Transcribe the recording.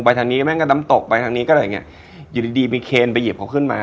ทางนี้แม่งก็น้ำตกไปทางนี้ก็อะไรอย่างเงี้ยอยู่ดีดีไปเคนไปหยิบเขาขึ้นมา